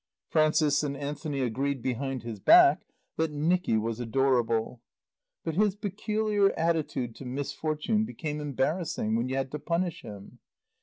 Frances and Anthony agreed behind his back that Nicky was adorable. But his peculiar attitude to misfortune became embarrassing when you had to punish him.